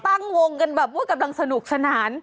ตั้งวงกันแบบว่ากำลังสนุกสนาน